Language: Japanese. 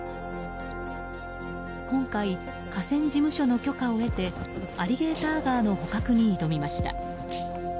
今回、河川事務所の許可を得てアリゲーターガーの捕獲に挑みました。